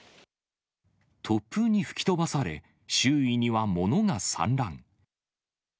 突風に吹き飛ばされ、周囲には物が散乱。